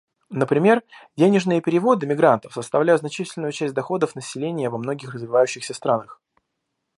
Например, денежные переводы мигрантов составляют значительную часть доходов населения во многих развивающихся странах.